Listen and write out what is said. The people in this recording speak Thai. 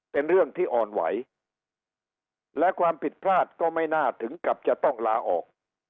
เป็นเรื่องที่อ่อนไหวและความผิดพลาดก็ไม่น่าถึงกับจะต้องลาออก